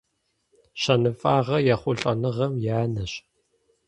Щэныфӏагъэр ехъулӏэныгъэм и анэщ.